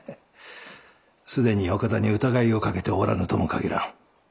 既に岡田に疑いをかけておらぬとも限らん。